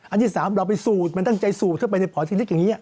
ที่๓เราไปสูดมันตั้งใจสูดเข้าไปในพอร์ชนิดอย่างนี้